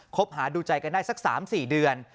คบหาดูใจกันได้สัก๓๔เดือน